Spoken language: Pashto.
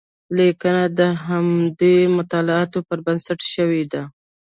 لیکنه د همدې مطالعاتو پر بنسټ شوې ده.